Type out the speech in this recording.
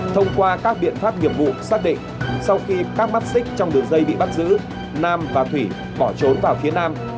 thông qua các biện pháp nghiệp vụ xác định sau khi các mắt xích trong đường dây bị bắt giữ nam và thủy bỏ trốn vào phía nam